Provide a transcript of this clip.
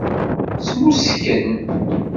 Smusken.